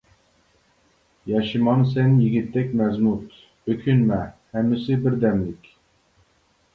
ياشىمامسەن يىگىتتەك مەزمۇت، ئۆكۈنمە، ھەممىسى بىر دەملىك!